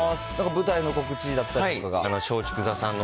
舞台の告知だったりとかが。